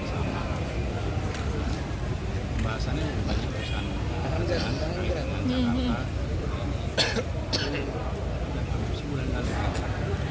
dan saya juga baca dengan teman teman yang sudah sebulan yang lama